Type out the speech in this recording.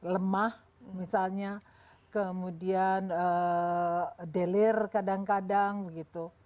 lemah misalnya kemudian delir kadang kadang begitu